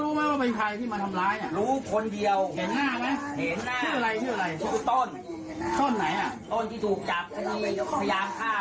ช่วงไหนอ่ะตอนที่ถูกจับพยายามฆ่าว่านี้อ่ะ